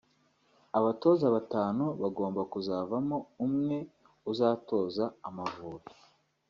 Abatoza batanu bagomba kuzavamo umwe uzatoza Amavubi